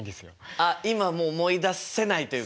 あっ今も思い出せないというか。